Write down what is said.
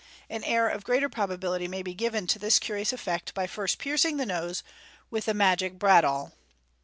An air of greater probability may be given to this curious effect by first piercing the nose with the magic bradawl.